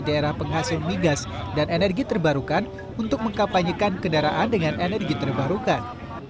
daerah penghasil migas dan energi terbarukan untuk mengkapanyekan kendaraan dengan energi terbarukan